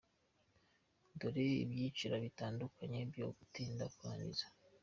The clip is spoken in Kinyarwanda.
Dore ibyiciri bitandukanye byo gutinda kurangiza:.